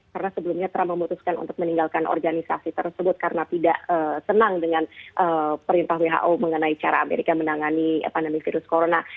karena sebelumnya trump memutuskan untuk meninggalkan organisasi tersebut karena tidak senang dengan perintah who mengenai cara amerika menangani pandemi virus corona